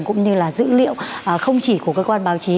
cũng như là dữ liệu không chỉ của cơ quan báo chí